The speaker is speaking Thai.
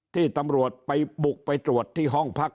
ที่ตำรวจไปบุกไปตรวจที่ห้องพัก